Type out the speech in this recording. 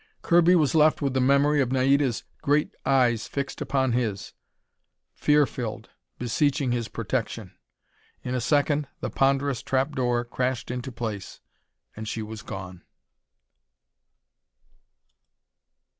Kirby was left with the memory of Naida's great eyes fixed upon his, fear filled, beseeching his protection. In a second, the ponderous trapdoor crashed into place, and she was gone.